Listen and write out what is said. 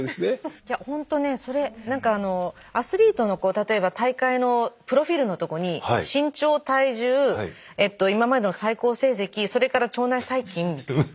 いやほんとねそれ何かアスリートの例えば大会のプロフィールのとこに身長体重今までの最高成績それから腸内細菌。